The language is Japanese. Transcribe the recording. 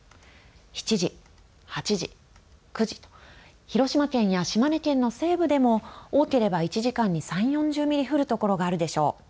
７時、８時、９時と、広島県や島根県の西部でも多ければ１時間に３０、４０ミリ降る所があるでしょう。